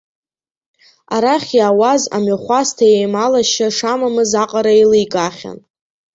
Арахь иаауаз амҩахәасҭа еималашьа шамамыз аҟара еиликаахьан.